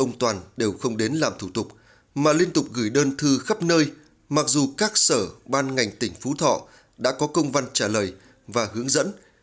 ông toàn đều không đến làm thủ tục mà liên tục gửi đơn thư khắp nơi mặc dù các sở ban ngành tỉnh phú thọ đã có công văn trả lời và hướng dẫn